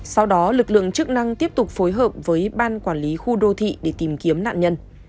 sau đó lực lượng chức năng tiếp tục phối hợp với ban quản lý khu đô thị để tìm kiếm nạn nhân